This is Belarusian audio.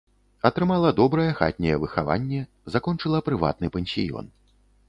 Атрымала добрае хатняе выхаванне, закончыла прыватны пансіён.